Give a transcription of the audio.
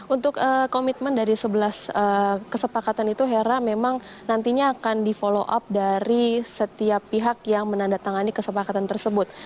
untuk komitmen dari sebelas kesepakatan itu hera memang nantinya akan di follow up dari setiap pihak yang menandatangani kesepakatan tersebut